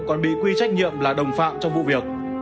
còn bị quy trách nhiệm là đồng phạm trong vụ việc